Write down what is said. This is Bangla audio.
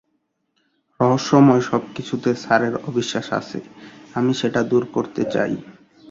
রহস্যময় সবকিছুতে স্যারের অবিশ্বাস আছে, আমি সেটা দূর করতে চাই।